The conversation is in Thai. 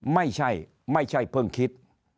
ไม่ใช่ไม่ใช่เพิ่งคิด